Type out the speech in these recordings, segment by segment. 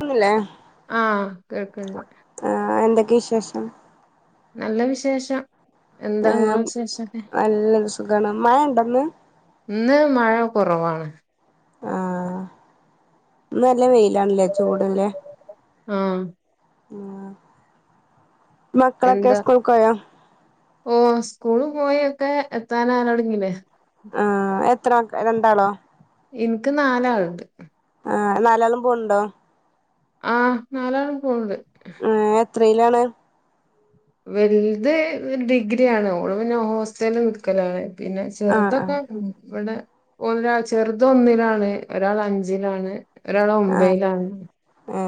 ഒന്നല്ലേ ആഹ കേൾക്കുണ്ട് എന്തൊക്കെ വിശേഷം നല്ല വിശേഷം എന്താ നിങ്ങളെ വിശേഷൊക്കെ സുഖണ് മഴ ഉണ്ടെന്ന് ഇന്ന് മഴ കുറവാണ് ആഹ ഇന്ന് നല്ല വെയിലാണല്ലേ ചൂടല്ലേ ആഹ് ആ മക്കളൊക്കെ സ്കൂൾക്കൊയോ ഓ സ്കൂള് പോയി ഒക്കെ എത്താനാലോടങ്ങിലെ ആ എത്ര മക്ക രണ്ടാളോ എനിക്ക് നാലാളുണ്ട് ആ നാലാളും പോണിണ്ടോ ആ നാളാലും പോണിണ്ട് ഏഹ് എത്രയിലാണ്? വലുത് ഡിഗ്രി ആണ് ഓൾ പിന്നെ ഹോസ്റ്റലിൽ നിൽക്കലാണ് പിന്നെ ആ ആ ചെറുതൊക്കെ ഇവിടെ ഒരാൾ ചെറുത് ഒന്നിലാണ് ഒരാൾ അഞ്ചിലാണ് ഒരാള് ആ ഒമ്പയിലാണ് ഏ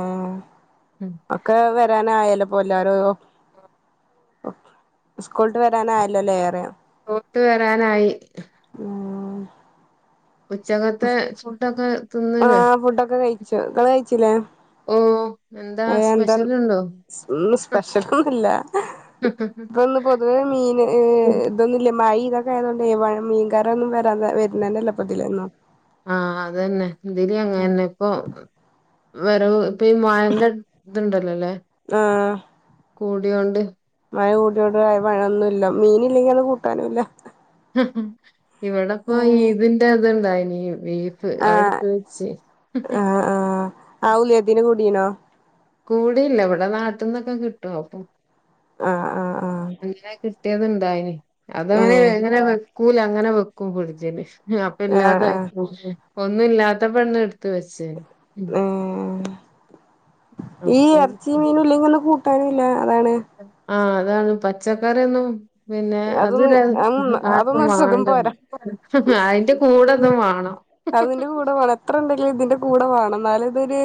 ഉം ഒക്കെ വരാനായാലും എല്ലാരോ സ്കൂളട്ട് വരാനായല്ലല്ലേ ഏറെ ഒത്ത് വരാനായി ഉം ഉച്ചകത്തെ ഫുടൊക്കെ തിന്നിലെ ആ ഫുഡൊക്കെ കഴിച്ചു ഇങ്ങള് കഴിച്ചില്ലേ ഓ എന്താ സ്പെഷ്യലൊന്നുല്ല ഇന്ന് പൊതുവേ മീൻ ഇതൊന്നുല്ലാ മഴ ഇതൊക്കെ ആയതുകൊണ്ട് മീൻകാരൊന്നും വരാ വരുന്നണ്ടല്ലോപ്പതിലന്നും ആഹ അതന്നെ ഇതിലിം അങ്ങനെന്നെ ഇപ്പൊ വരവ് പ്പെ ഈ മയേന്റെ ഇതുണ്ടല്ലോല്ലേ ആഹാ കൂടിയോണ്ട് മഴ കൂടിയോണ്ട് മഴൊന്നുല്ല മീന് ഇല്ലെങ്കിൽ അന്നു കൂട്ടാനുംല്ല ഇവിടെ ഇപ്പൊ ഈതിന്റെ ത്ണ്ടായിന് ബീഫ് ആഹ് അടുത്ത് വെച്ച് ആഹ് ആഹ് ആ [unintelligible] കൂടിയില്ല ഇവിടെ നാട്ടിൽ നിന്നൊക്കെ കിട്ടോ അപ്പൊ ആഹ് ആഹ് ആഹ് [unintelligible] റ്റേത് ഉണ്ടായിന് അതങ്ങനെ ഏഹ് എങ്ങനെ കൂല അങ്ങനെ വെക്കും ഫ്രിഡ്ജില് അപ്പ ആഹ് ഇല്ലാതായി ആഹ് പോകൂ ഒന്ന ഇല്ലാത്തപ്പാണ് എടു ത്ത് വച്ച് ഏഹ് ഈ ഇറച്ചി മീന ഇല്ലെങ്കിൽ ഒന്ന് കൂ താനില്ല അതാണ് ആ അതാണ് പച്ചക്കറിയൊന്നും പിന്നെ അത് അതൊന്ന് ആക്കും അതൊന്നും ഒരു സുഖം വേണ്ടത് പോരാ അതിന്റെ കൂടെതും വേണം കൂടവേണം എന്നാലതൊരു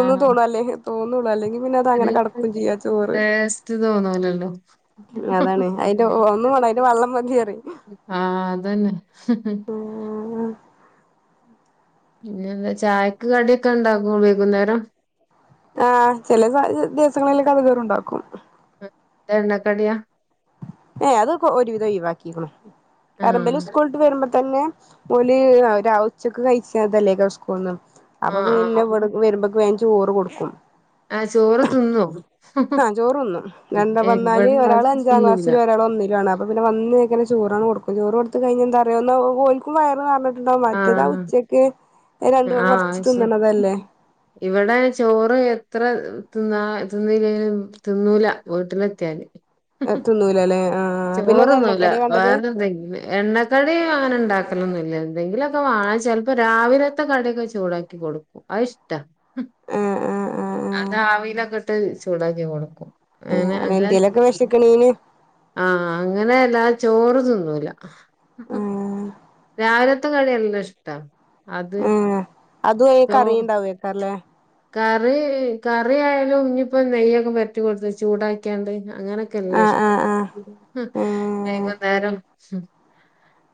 ഒന്ന് [unintelligible] തോന്നൂല്ല അല്ലെങ്കിൽ പിന്നെ അത് ഒരു അങ്ങനെ കടക്കും ചെയ്യാ ചോറ് ടേസ്റ്റ് തോന്നൂലല്ലോ അതാണ് അയിന്റെ ഒന്ന് വേണം അതിന്റെ വെള്ളം ആഹ് [unintelligible] [inaudible] പിന്നെ എന്താ ചായക്ക് കടിയൊക്കെ ഉണ്ടാകും വൈകുന്നേരം ആ ചില ദിവസങ്ങളിലൊ കടിണ്ടാക്കും എണ്ണ കടിയാ ഏ അതൊക്കെ ഒരുവിധം ഒഴിവാക്കിക്കണു [unintelligible] ആഹ് സ്കൂളീട്ട് വരുമ്പ തന്നെ പുള്ളി ഉച്ചക്ക് കഴിച്ചതല്ലേ സ്കൂളിന്ന് അപ്പൊ ആഹ് പിന്നെ ഇവിടെക്ക് വരുമ്പോ ചോറ് കൊടുക്കും ആ ചോറ് തിന്നോ ആ ചോറ് തിന്നും രണ്ടും വന്നാല് ഇവിടെ അത് ഒരാള് അഞ്ചാം തിന്നൂല ക്ലാസ്സിലും ഒരാൾ ഒന്നിലും ആണ് അപ്പ പിന്നെ വന്നുക്കെ ചോറാണ് കൊടുക്കും ചോറ് കൊടുത്ത് കഴിഞ്ഞാ എന്തറുമ കോക്കുംയ എന്ന് പറഞ്ഞ ണ്ടോ മറ്റേതാ ആഹ് ഉച്ചക്ക് രണ്ടുവ കൊറച്ച് ആഹ് ശരി തിന്നണതല്ലേ ഇവിടെ ചോറ് എത്ര തിന്നാ തിന്നീല്ലേല്ലും തിന്നൂല വീട്ട്ലെത്തിയാല് ഹഹ തിന്നൂലല്ലേ ആഹ് പിന്നെ അത് ചോറൊന്നുംല്ല എണ്ണക്കടി വേണ്ടത് വേറെ എന്തെങ്കിലും എണ്ണക്കടി അങ്ങനെ ഉണ്ടാക്കലൊന്നു [unintelligible] എന്തെങ്കിലൊക്കെ വാങ്ങിച്ചു ചെൽപ്പോ രാവിലത്തെ കറി യൊക്കെ ചൂടാക്കി കൊടുക്കും അഇഷ്ടാ ആഹ് ആഹ് ആഹ് അത് ആവിയിൽ ഒക്കെ - എന്നിട്ട് ചൂടാക്കി കൊടുക്കും ആഹ് ആഹ് അങ്ങനെ അല്ല അങ്ങ എന്തേലൊക്കെ വിശക്കണീന് ആഹ് അങ്ങനെ എല്ലാ- ചോറ്തിന്നുല ആഹ് രാവില ത്ത കട്യല്ല ഷ്ട [inaudible] അത് ആഹ് അതും ഏ ചോ കറിയും ഉണ്ടാവൂവോ വീട്ടില് കറി കറി ആയാലും ഞ് പ്പം നെയ്യൊക്കെ പരറ്റി കൊട്ത്ത് ചൂടാക്ക്യാണ്ട് അങ്ങനൊക്കെ ആഹ് എല്ലുഷ്ട്ടാ ആഹ് ആഹ് ഹ് ഏഹ് വൈകുന്നേരം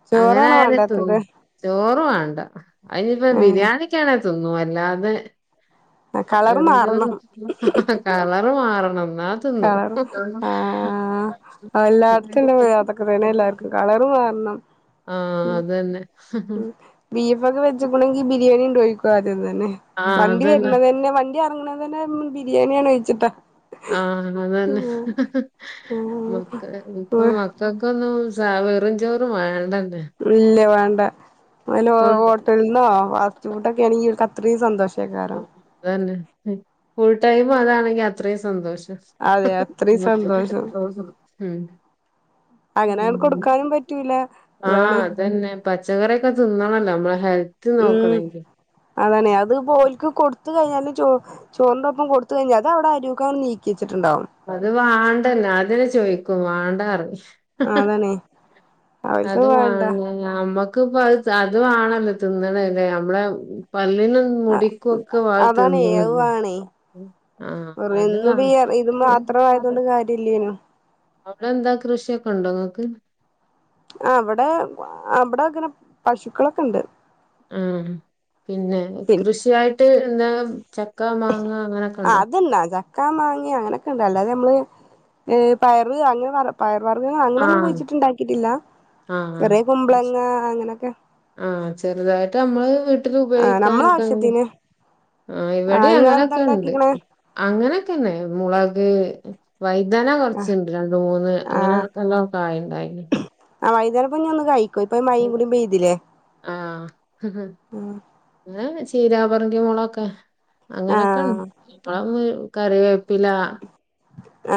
ചോറാണ് അങ്ങനായാലു ത്തു വേണ്ടാത്തത് ചോറു വാണം അ അയിഞ്ഞിപ്പം ഏഹ് ബിരിയാണിക്കേണെ തിന്നും ല്ലാതെ കളറ് മാറണം വെറുംചോറും [unintelligible] മാറണം ന്നാ തിന്നും കളർ ആ ആ എല്ലാട്ത്തും ണ്ട് [unintelligible] അതൊക്കെതന്നെ എല്ലാർക്കും കളർ മാറണം ആഹ് ഉം. അതന്നെ ഉം ബീ വെച്ച്ക്ക്ണെങ്കി ബിരിയാണിണ്ടോ യ്ക്കും ആദ്യ തന്നെ ആഹ് വണ്ടി അതന്നെ വരുന്നതെന്നെ വണ്ട് ങ്ങനെ തന്നെ ബിരിയാണിയാണോ യ്ച്ചിട്ടാ ആ അത് തന്നെ മക്കള് ഇപ്പം മക്കക്കൊന്നും സ വെറും ചോറ് വേണ്ട ല്ല വാണ്ട വല്ല ഹോട്ടൽന്നോ ചൂട്ടൊക്കെണെങ്കി ഓല്ക്ക് അത്രീം സന്തോഷ ആ അതെന്നെ ഉം ഫുൾ ടൈമും അതാണെങ്കി അത്രയും സന്തോഷം അതെ അത്രയും [unintelligible] മ്മ് അങ്ങനെയാണ് കൊടുക്കാനും പറ്റൂല അതാണ് ചോറൊക്കെ തിന്നണല്ലോ നമ്മളെ ഹെൽ ത്ത് നോക്കണങ്കി അതാണെ അത് ഓല്ക്ക് കൊടുത്ത് കഴിഞ്ഞാലും ചോ ചോറിൻ്റെ ഒപ്പം കൊടുത്ത് കഴിഞ്ഞാല് അത് അവിടെ അരുക്കങ്ങ് നീക്കിയെ അത് വണ്ടന്നെ അതെനെ ചോയിക്കും വണ്ടാറിയും അതാണേ അവർക്ക് വേണ്ട ക്ക് ഇപ്പ അത് അത് വണല്ലേ തിന്നണല്ലേ നമ്മളെ പല്ലിനും മുടിക്കുക്കെ വാഴ അതാണേ അത് തിന്നണത് വേണേ ആ അത് ക ഇന്നിപ്പോ ഈ ഇത് മാത്രം ആയതൊണ്ട് കാര്യം ഇല്ലേനും അവിടെ എന്താ കൃഷിക്കെ ഉണ്ടോങ്ങക്ക് ഇവിടെ ഇവിടെ അങ്ങനെ പശുക്കളൊക്കെണ്ട് ആ പിന്നെ പിന്നെ കൃഷിയായിട്ട് പിന്നെ ചക്ക മാങ്ങ അങ്ങനൊക്കെണ്ടോ? ക്ക മാങ്ങ അങ്ങനൊക്കെണ്ട്. അല്ലാതെ നമ്മള് പയറ് അങ്ങനെ പറ പ ഴ വർഗ്ഗങ്ങള് അങ്ങനൊന്നും ആഹ് കുഴിച്ചിട്ട്ണ്ടാക്കിയിട്ടില്ല ആഹ് ചെറിയ കുമ്പളങ്ങ അങ്ങനൊക്കെ ആഹ് ചെറുതായിട്ട് നമ്മള് വി ട്ടില് ആ നമ്മളെ ഉപയോഗിക്കാനൊക്കെ ആവശ്യത്തിന് ആഹ് ഇവിടെ ഇങ്ങളെന്താ അങ്ങനൊക്കെണ്ട് ഇണ്ടാക്കിക്ക്ണെ അങ്ങനൊക്കെന്നെ മുള ക് വൈദന കൊറച്ച്ണ്ട് രണ്ട് മൂന്ന് അങ്ങനെ നല്ലോം കായ്ണ്ടായി പിന്നെ ആ വൈദന കുഞ്ഞ് ഒന്ന് കഴി യ്ക്കും ഇപ്പ ഈ മയിം കൂടിം പെയ്തില്ലേ ന്നാ വെച് ചീരാപറങ്കി മൊളോക്കെ അങ്ങനൊക്കെണ് ആഹ് ഇപ്പളാ [unintelligible] കറിവേപ്പില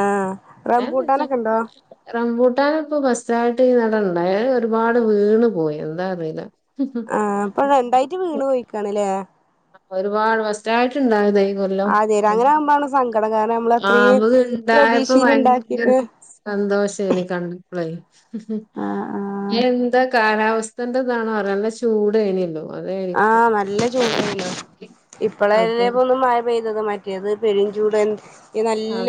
ആഹ് റംബൂട്ടാനൊക്കെ ഇണ്ടോ റംബൂ ട്ടാന് ഇപ്പോ ഫസ്റ്റായിട്ട് ഈ നടണ്ടായ അഹ് ഒരുപാട് വീണ്‌ പോയി എന്താ അറീല്ല ആഹ് ഇപ്പടെ ഇണ്ടായിട്ട് വീണ് പോയിക്കാണ്‌ല്ലേ ആ ഒരുപാട് ഫസ്റ്റായിട്ട്ണ്ടായിതേ ഈ കൊല്ലം ആദ്യേ അങ്ങനെ ആകുമ്പാണ് സങ്കടം കാരണം നമ്മള് ആ അത്രീം നമ്മക്ക് ഇണ്ടായപ്പോ പ്രതീക്ഷയില് ഭയങ്കര ഇണ്ടാക്കിട്ട് സന്തോശേനി കണ്ട- ആഹ് ആഹ് [inaudible] എന്ത കാലാവസ്ഥേന്റെതാണോ അറെ നല്ല ചൂടേനിയേല്ലോ ആ നല്ല ചൂട് അപ്പൊ ഇപ്പള്ളല്ലേപ്പോ ഒന്ന് മഴ പെയ്തത് മ ത് പെരുംചൂടൻ അ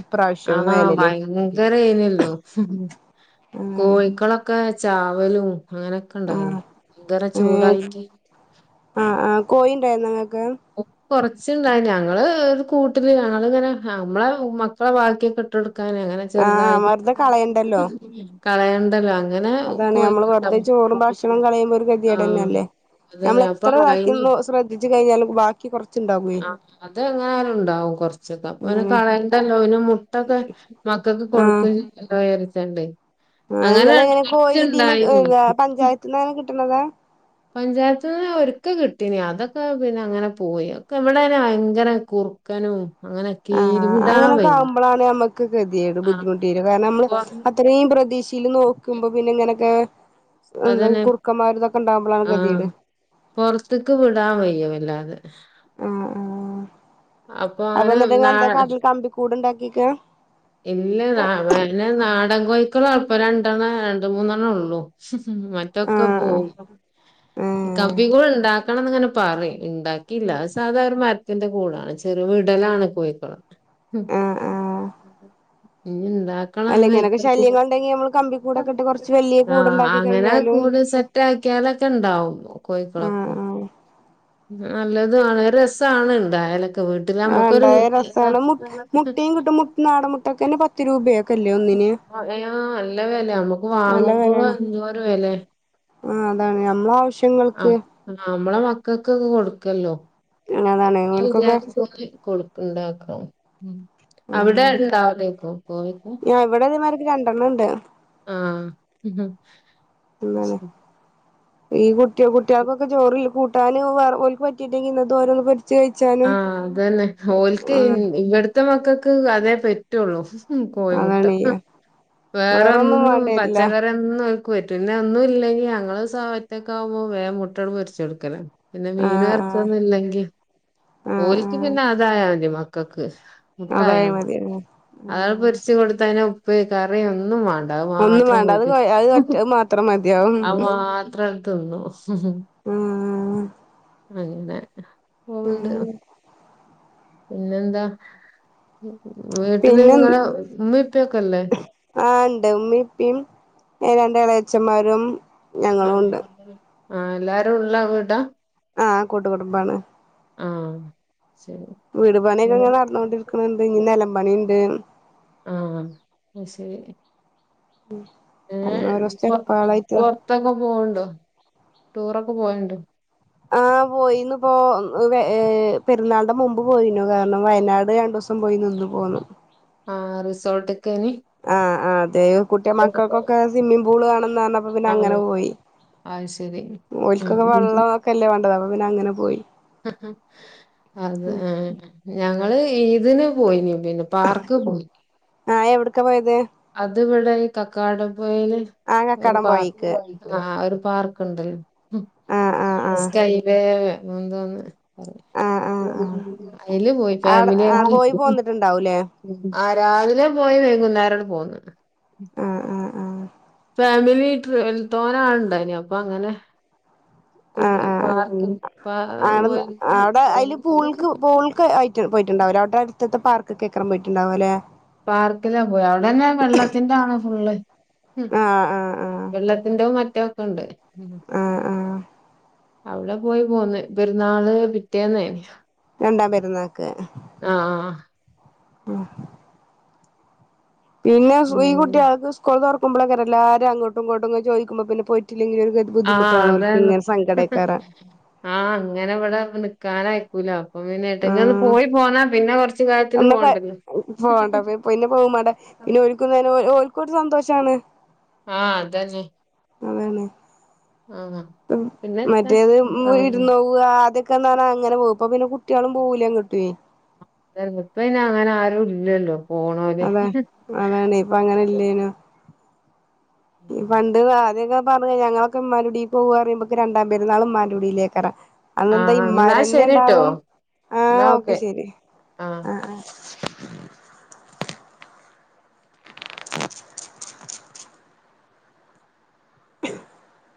ഇപ്രാവശ്യം ആ വേനല് ഭയങ്കരേന്യല്ലോ അങ്ങനെ കോഴിക്കളൊക്കെ- ചാവലും അങ്ങനൊക്കെ ഇണ്ടായിന് ആഹ് ഇതരേ ഏഹ് ചൂടായിട്ട് ഴി നിങ്ങക്ക് ഓ കൊറച്ചുണ്ടായിനി ഞങ്ങ ഞങ്ങള് കൂട്ടി അത് ഇങ്ങനെ നമ്മളെ മക്കളെ ബാക്കിയൊക്കെ ഇട്ടടു ക്കാന അങ്ങനെ ആഹ് ചെറുതായി വെറുതെ കളയണ്ടല്ലോ [inaudible] കളയേണ്ടലോ അതാണ് നമ്മള് [unintelligible] ഭക്ഷണം കളയുമ്പോ ഒരു ആഹ് ഗതിയെടന്നല്ലേ നമ്മൾ അതന്നെ അപ്പൊ എത്ര ബാക്കിയുള്ള ശ്രദ്ധിച്ചു കഴിഞ്ഞാലും ബാ കി കൊർ ആ അത് [unintelligible] ഇണ്ടാവും കൊറച്ചൊക്കെ അപ്പൊ എന്താണ് കളയണ്ടല്ലോ ഓൻ മുട്ടൊക്കെ മക്കക്ക് കൊടുക്കും ഏതായാലും രണ്ട് ആ നിങ്ങള് എങ്ങനെ കോഴി ഇതിന്ന് പഞ്ചായത്തി [unintelligible] കിട്ട്ണത് പഞ്ചായത്തിന്ന് ഒരിക്കെ കിട്ടീനി അതൊക്കെ പിന്നെ അങ്ങനെ പോയി ഒക്കെ ഇവിടെ തന്നെ ഭയങ്കര കുറുക്കനും അങ്ങനൊക്കെ ആ ആ വിടാൻ അങ്ങനൊക്കെ വയ്യ ആവുമ്പോഴാണ് നമ്മക്ക് ഗേതിയേട് ആഹ് ബുദ്ധിമുട്ടിടും കാരണം നമ്മള് പൊ അത്രയും പ്രതിക്ഷയിൽ നോക്കുമ്പോ പിന്നെ ഇങ്ങനെയൊക്കെ അതന്നെ ഉണ്ടാവുമ്പളാണ് ആഹ ഗതികേട് പുറത്തേക്ക് വിടാൻ വയ്യ അല്ലാതെ ആ ആ അപ്പൊ അങ്ങനെ ന്നിട്ട നാ എന്താ കാട്ടൽ കമ്പി കൂട് ഇണ്ടാക്കി ഇക്ക ഇല്ല ന മ നാടൻ കോഴി [unintelligible] രണ്ടെണ്ണം രണ്ട് മൂന്നെണ്ണ ഉള്ളൂ ഉം മറ്റൊക്കെ ആഹ് ആഹ് പോകും ഏഹ് കമ്പി കൂട് ഇണ്ടാ [unintelligible] ങ്ങനെ പറയും ഇണ്ടാക്കിയില്ല സാധാ ഒരു മരത്തിന്റെ കൂടാണ് [unintelligible] കോഴികൾ ഉം ആഹ് ആഹ് [unintelligible] ആഹ് അല്ല ഇങ്ങനൊക്കെ ശല്യങ്ങളുണ്ടെങ്കി നമ്മള് കമ്പി കൂടൊക്കെ ഇട്ട് കൊറച്ച് വലിയ [inaudible] ആ കൂടുണ്ടാക്കി അങ്ങനെ കഴിഞ്ഞാലും കൂട് സെറ്റ് ആക്കിയാലൊക്കെ ഇണ്ടാവും കോഴിക്കളൊക്കെ ആഹ് ആഹ് നല്ലതുവാണ് രസാണ് ഇണ്ടായാലൊ ആ ഇണ്ടായാ രസാണ്, മു മുട്ടയും കിട്ടും, മു നാടൻ മുട്ടക്കന്നെ പത്ത് രൂപയൊക്കെ ഇല്യേ ഒന്നിന് ആഹ് നല്ല വെലയാ [unintelligible] നല്ല വെലേണ് ആ അതാണ് ഞമ്മളാവശ്യ ങ്ങൾക്ക് ആഹ് ആഹ് നമ്മളെ മക്കക്കൊക്കെ കൊടുക്കല്ലോ അതതാണ് ഓൻക്കൊക്കെ ഉണ്ടാക്കാം ഉം അവിടെ ആഹ് ഇണ്ടാവേക്കോ കോഴിക്കെ ആഹ് ഇവിടെ ഇതേമാതിരിക്ക് രണ്ടെണ്ണം ഉണ്ട് ആഹ് എന്താണ് [unintelligible] ഈ കുട് ട്ട്യോൾ കുട്ട്യോൾക്കൊക്കെ ചോറിൽ കൂ ടാനുവാർ ഓൽക്ക് പറ്റിയിട്ടെങ്കി ഇന്ന് തോരന് [unintelligible] ആഹ് അത് തന്നെ ഓൽക്ക് ആഹ് ഇവിടുത്തെ മക്കക് ക്ക് അതെ പറ്റുള്ളൂ. മ് കോഴിമുട്ട അതാണ് ഹ് വേറൊന്നും വേണ്ടി വരില്ല പച്ചക്കറിയൊന്നും ക്ക് പറ്റുന്ന ഒന്നും ഇല്ലങ്കി ഞങ്ങള് സയത്തെക്കാവുമ്പോ വേ മുട്ടോട് പൊരിച്ച് കൊടുക്കല. പിന്നെ മീനും ആഹ് ആഹ് എറച്ചിയൊന്നുല്ലെങ്കി ആഹ് ആഹ് ക്കക്ക് മുട്ടായ അതായ മതി അതാമ്പോ ഉം പൊരിച്ച് കൊടുത്തു കഴിഞ്ഞാൽ ഉപ്പ് കറിയൊന്നും വേണ്ട അത് ഒന്നും മാത്രം വേണ്ട അത് കൂട്ടി അത് ഒറ്റ മാത്രം മതിയാവും അത് മാത്രം തിന്നോ? [unintelligible] ഉം വരുന്നേ ഓ ഉണ്ട്. മ് പിന്നെന്താ വീട്ടില് പിന്നെ ഇങ്ങളെ ഉമ്മ ഇപ്പ ഒക്കെയില്ലേ? ഉമ്മേം ഉപ്പേം രണ്ട് ഇളയച്ഛന്മാരും ആ ആഹ് എല്ലാരും ഉള്ള വീടാ? ആ കൂട്ടുകുടുംബാണ്. ആ വീട് പണിയൊക്കെ ഇങ്ങനെ നടന്നൊണ്ടിരിക്കുന്നുണ്ട്, ഇനി നെലം പണിയിണ്ട്. ആ അശരി ഏ അങ്ങനെ ഓരോ പൊറ് സ്റ്റെപ്പുകളായിട്ട് പൊറത്തൊക്കെ പോവ്ണ്ടോ? ടൂറൊക്കെ പോവലുണ്ടോ? ആ പോയിന്നു പോ ന്ന് വേ ഏ പെരുന്നാളിന്റെ മുമ്പ് പോയിനു കാരണം വയനാട് രണ്ടുസം പോയി നിന്നു പോന്നു. ആ റിസോർട്ട് ആ അതെ കുട്ടിയ മക്കൾക്കൊക്കെ സ്വിമ്മിംഗ് പൂൾ കാണുന്ന് നന്നപ്പം പിന്നെ ആഹ് അങ്ങനെ പോയി അത് ശരി ഓല്ക്ക് ഇപ്പം ഉം വെള്ളം ഒക്കെല്ലേ വാണ് [unintelligible] പിന്നെ അങ്ങനെ പോയി. ഹ ഹാ അത് ആ ഞങ്ങള് ഇദിന് പോയി പാർക്ക് പോയി ആഹ് എവിടക്കെ പോയത് അത് ഇവിടെ കക്കാടും [unintelligible] ആഹ് ഒരു കക്കാടം പോയിക്ക് പാർക്ക് ഒരു പാർക്ക് കണ്ട് ആഹ് ആഹ് ആഹ് സ്കെയില് അ എന്താന്ന് ആഹ് ആഹ് ആഹ് അയില് പോയി ആടെ ഫാമിലിയ ആഹ് പോയി പോന്നിട്ടുണ്ടാവൂലേ ആ രാവിലെ പോയി വൈകുന്നേരം പോന്നു ഉം ആ ഫാമിലിടിതോനെ ആൾ ഇണ്ടായിനി അപ്പൊ അങ്ങനെ ആ കുട്ട് പാർക്ക് പാ ആ അവിന്ന് പോയി അവിടെ അതില് പൂൾക്ക് പൂൾക്ക് ആയി പോയിട്ടുണ്ടാവില്ല അവിടെ അടുത്ത പാർക്ക് അവിടെ [unintelligible] പോയിട്ടുണ്ടാവോലെ പാർക്കിലാ പോയി അവിടെന്നെ വെള്ളത്തിന്റെ ആണ് ഫുള്ള് ആ ആ ആ റ്റക്കെയുണ്ട് [unintelligible] അവിടെ പോയി പോന്ന് പെരുന്നാള് പിറ്റേന്നായിരുന്നു രണ്ടാം പെരുന്നാക്ക് ആഹ് ഉം പിന്നെ ഈ കുട്ടികൾക്ക് സ്കൂള് [unintelligible] എല്ലാരും അങ്ങോട്ടും ഇങ്ങോട്ടും അങ്ങ് ചോദിക്കുമ്പം പിന്നെ പോയിട്ട് ആഹ് അതാണ് സങ്കടേക്കാരം ആഹ് അങ്ങനെവിടെ കാണായിക്കൂല ഉം കാലത്തിന് നമ്മ പോണ്ടല്ലോ പോവണ്ട പിന്നെ പോവും പാടെ പിന്നെ ഒഴുക്കുന്ന ഒഴു ഒരു സന്തോഷാണ് ആഹ് അതന്നെ അതാണ് ആഹ് പിന്നെത്താ മറ്റേത് ആഹ് ഇരുന്നോവുക അത് ന്നൊക്കെ പറഞ്ഞാ അങ്ങനെ പോകും ഇപ്പ പിന്നെ കുട്ടികളും പോകൂല എങ്ങോട്ടുവേ ഉണ്ടായിരുന്നു ഇപ്പ അങ്ങനെ ആരും ഇല്ലല്ലോ പോണോല് അതെ അതാണ് ഇപ്പൊ അങ്ങനെ ഇല്ലേനു ഈ ഉം പണ്ട് ആദ്യൊക്കെ പറഞ്ഞ ഞങ്ങളൊക്കെ ഉ്മാൂടിൽ പോവുയുമ്പൊെ രണ്ടാം പെരുന്നാള് ഉ്മാലുടിയിലേക്ക്ക്കറാം അന്നെന്താ ആഹ് എന്നാ ഇമ്മാരന്നെ ശരിട്ടോ ഉണ്ടാവും ആഹ് ഓക്കെ ശെരി ആഹ് ആ ആ ഉ [inaudible] ഉ [inaudible] ഉ [inaudible]